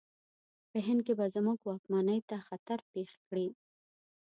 په هند کې به زموږ واکمنۍ ته خطر پېښ کړي.